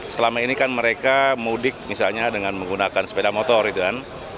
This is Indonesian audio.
selama ini kan mereka mudik misalnya dengan menggunakan sepeda motor itu kan